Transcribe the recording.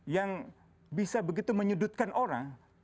yang bisa begitu menyudutkan orang